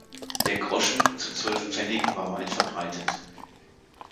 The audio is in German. Der Groschen zu zwölf Pfennigen war weit verbreitet.